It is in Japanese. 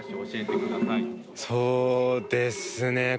そうですね